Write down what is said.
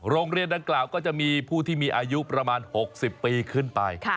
โรงเรียนดังกล่าวก็จะมีผู้ที่มีอายุประมาณ๖๐ปีขึ้นไป